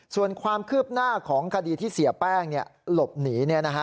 ส่วนความคืบหน้าของคดีที่เสียแป้งหลบหนี